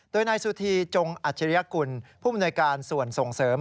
โดยนายสุธีจงอัจฉริยกุลผู้มนวยการส่วนส่งเสริม